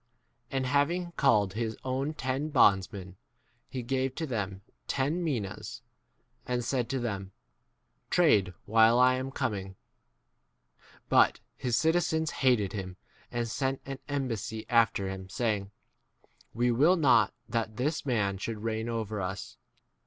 And having called his own ten bondsmen, he gave to them ten minas, and said to them, 14 Trade while I am coming J But his citizens hated him, and sent an embassy after him, saying, We will not that this [man] should 15 reign over us.